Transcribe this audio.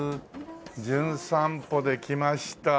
『じゅん散歩』で来ました。